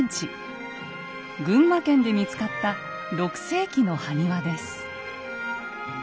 群馬県で見つかった６世紀の埴輪です。